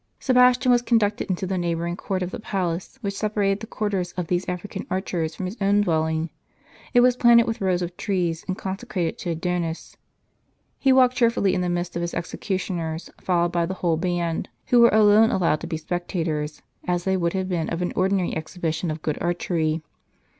Sebastian was conducted into the neighboring court of the palace, which separated the quarters of these African archers from his own dwelling. It was planted with rows of trees, and consecrated to Adonis. He walked cheerfully in the midst of his executioners, followed by the whole band, who were alone allowed to be spectators, as they would have been of an ordinary exhibition of good archery.